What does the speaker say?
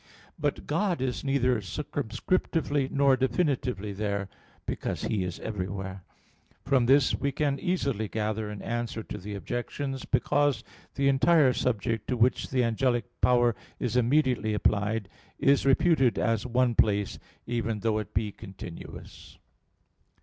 But God is neither circumscriptively nor definitively there, because He is everywhere. From this we can easily gather an answer to the objections: because the entire subject to which the angelic power is immediately applied, is reputed as one place, even though it be continuous.